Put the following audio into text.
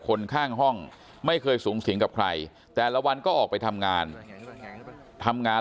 คนข้างห้องไม่เคยสูงสิงกับใครแต่ละวันก็ออกไปทำงานทำงาน